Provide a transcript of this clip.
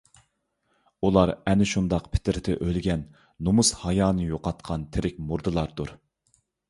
ئۇلار ئەنە شۇنداق پىترىتى ئۆلگەن، نۇمۇس - ھايانى يوقاتقان تىرىك مۇردىلاردۇر.